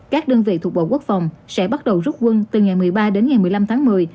các đơn vị thuộc bộ quốc phòng sẽ bắt đầu rút quân từ ngày một mươi ba đến ngày một mươi năm tháng một mươi